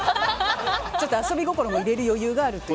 遊び心も入れる余裕があるという。